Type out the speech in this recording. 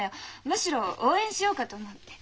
むしろ応援しようかと思って。